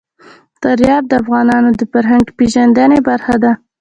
فاریاب د افغانانو د فرهنګي پیژندنې برخه ده.